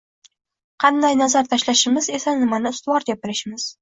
Qanday nazar tashlashimiz esa nimani ustuvor deb bilishimiz